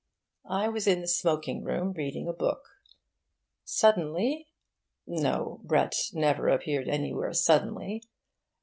I was in the smoking room, reading a book. Suddenly no, Brett never appeared anywhere suddenly.